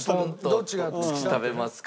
どっち食べますか？という。